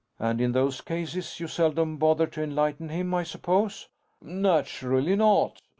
"And in those cases, you seldom bother to enlighten him, I suppose." "Naturally not.